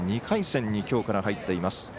２回戦にきょうから入っています。